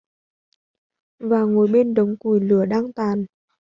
Và ngồi bên đống củi lửa đang tàn